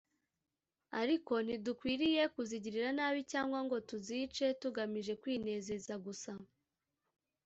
Ariko ntidukwiriye kuzigirira nabi cyangwa ngo tuzice tugamije kwinezeza gusa